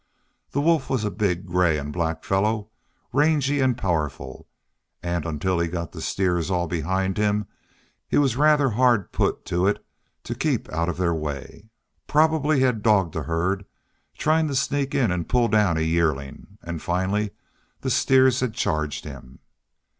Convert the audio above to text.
The wolf was a big gray and black fellow, rangy and powerful, and until he got the steers all behind him he was rather hard put to it to keep out of their way. Probably he had dogged the herd, trying to sneak in and pull down a yearling, and finally the steers had charged him.